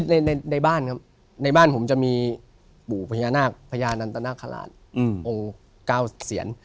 ในบ้านครับในบ้านผมจะมีปู่พญานาคพญานันตนาคาราชองค์๙เสียร